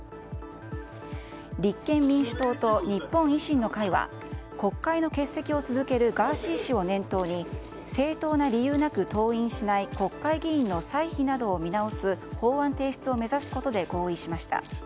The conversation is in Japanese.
立憲民主党と日本維新の会は国会の欠席を続けるガーシー氏を念頭に正当な理由なく登院しない国会議員の歳費などを見直す法案提出を目指すことで合意しました。